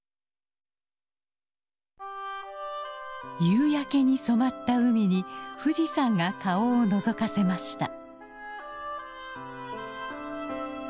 夕焼けに染まった海に富士山が顔をのぞかせました。